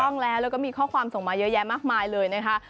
ต้องแล้วแล้วก็มีข้อความส่งมาเยอะแยะมากมายเลยนะคะ